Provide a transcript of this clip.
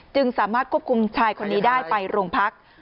จึงสามารถควบคุมชายคนนี้ได้ไปโรงพัก